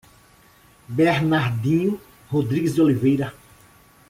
Bernardino Rrodrigues de Oliveira